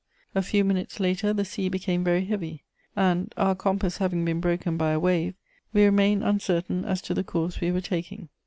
A few minutes later, the sea became very heavy and, our compass having been broken by a wave, we remained uncertain as to the course we were taking.